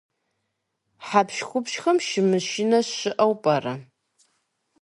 Хьэпщхупщхэм щымышынэ щыӏэу пӏэрэ?